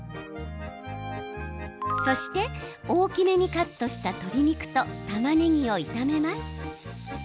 そして、大きめにカットした鶏肉とたまねぎを炒めます。